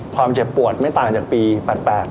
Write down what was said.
ความเจ็บปวดไม่ต่างจากปีปัดแปด